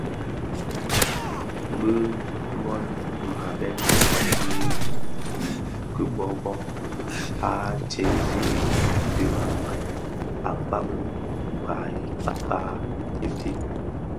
Bi bhon nghabèn dikèè di kiboboo a tsèzii diňarèn akpaň bi gba i kpak dhitin.